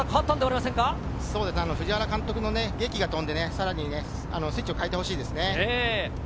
藤原監督のげきが飛んで、さらにスイッチを変えてほしいですね。